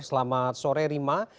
selamat sore rima